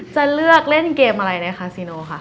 จะเลือกเล่นเกมอะไรในคาซิโนค่ะ